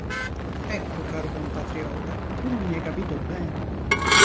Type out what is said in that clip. Ecco, caro compatriota, tu non mi hai capito bene.